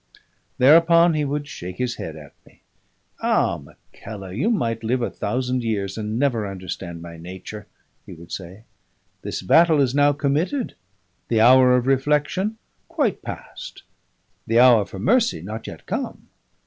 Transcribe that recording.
Thereupon he would shake his head at me. "Ah! Mackellar, you might live a thousand years and never understand my nature," he would say. "This battle is now committed, the hour of reflection quite past, the hour for mercy not yet come.